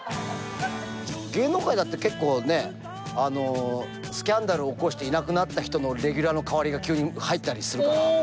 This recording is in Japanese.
芸能界だって結構ねスキャンダル起こしていなくなった人のレギュラーの代わりが急に入ったりするから。